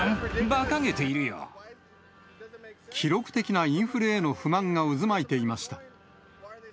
ばかげている記録的なインフレへの不満が渦巻いていました。